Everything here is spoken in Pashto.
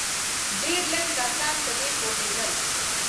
ډېر لږ کسان په دې پوهېدل.